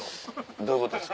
どういうことですか？